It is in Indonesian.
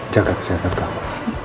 jaga kesehatan kamu